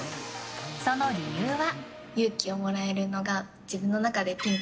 その理由は。